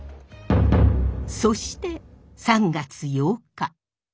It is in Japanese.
そして３月８日。